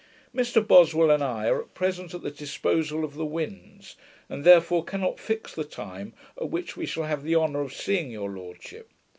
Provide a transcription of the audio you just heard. Mr Boswell and I are at present at the disposal of the winds, and therefore cannot fix the time at which we shall have the honour of seeing your lordship.